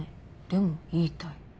でも言いたい」。